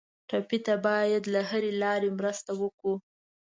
ټپي ته باید له هرې لارې مرسته وکړو.